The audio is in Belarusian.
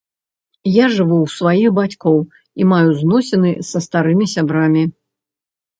Я жыву ў сваіх бацькоў і маю зносіны са старымі сябрамі.